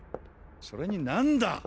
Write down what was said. それに何だ